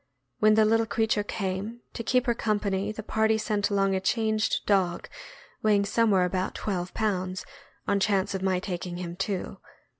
When the little creature came, to keep her company the party sent along a changed dog weighing somewhere about twelve pounds, on chance of my taking him too.